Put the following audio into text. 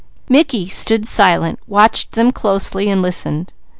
Mickey stood silent, watched them closely, and listened.